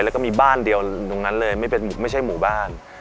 แล้วก็มีบ้านเดียวตรงนั้นเลยไม่ใช่หมู่บ้าน